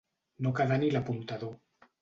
No quedar ni l'apuntador.